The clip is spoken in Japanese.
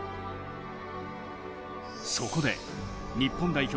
そこで日本代表